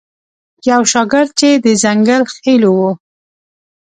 یو شاګرد چې د ځنګل خیلو و.